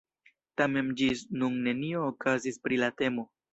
Tamen ĝis nun nenio okazis pri la temo.